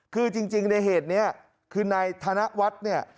คือจริงในเหตุนี้คือนายธนวัฒน์เนี่ย